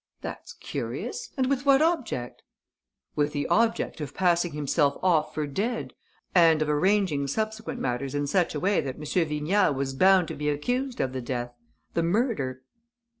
"That's curious! And with what object?" "With the object of passing himself off for dead and of arranging subsequent matters in such a way that M. Vignal was bound to be accused of the death, the murder."